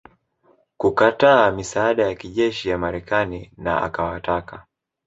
kukataa misaada ya kijeshi ya Marekani na akawataka